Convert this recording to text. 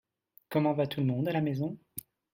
Comment va tout le monde à la maison ?